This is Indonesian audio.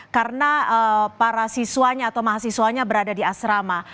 karena para siswanya atau mahasiswanya berada di asrama